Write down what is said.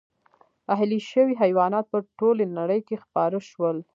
اهلي شوي حیوانات په ټولې نړۍ کې خپاره شول.